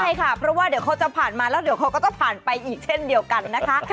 ใช่ค่ะเพราะว่าเดี๋ยวเขาจะผ่านมาแล้วเดี๋ยวเขาก็จะผ่านไปอีกเช่นเดียวกันนะคะ